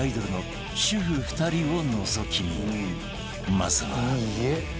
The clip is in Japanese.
まずは